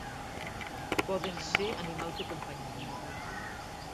Poden ser animals de companyia.